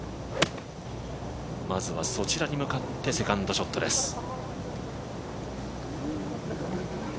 まずはそちらに向かってセカンドショットです。